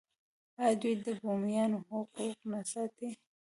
آیا دوی د بومیانو حقوق نه ساتي؟